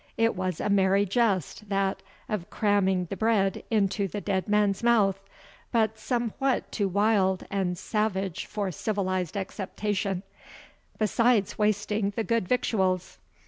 It was a merry jest that, of cramming the bread into the dead man's mouth, but somewhat too wild and salvage for civilized acceptation, besides wasting the good victuals.